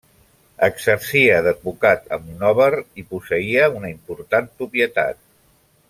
Exercia d'advocat a Monòver i posseïa una important propietat.